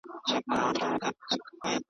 اوس که زما منۍ را ټول یې کړی تخمونه.